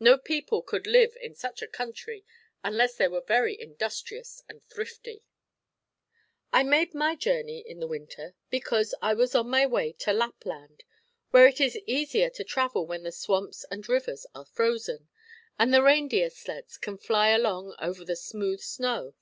No people could live in such a country unless they were very industrious and thrifty. I made my journey in the winter, because I was on my way to Lapland, where it is easier to travel when the swamps and rivers are frozen, and the reindeer sleds can fly along over the smooth snow.